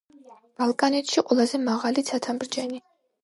ბალკანეთში ყველაზე მაღალი ცათამბჯენი.